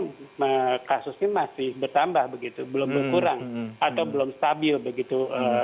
belum berkurang atau belum stabil begitu